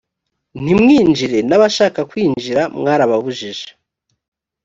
ntimwinjire n abashakaga kwinjira mwarababujije